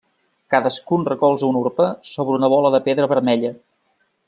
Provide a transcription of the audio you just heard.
Cadascun recolza una urpa sobre una bola de pedra vermella.